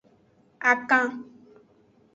Akan.